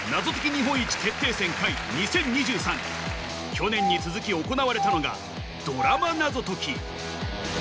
去年に続き行われたのがドラマ謎解き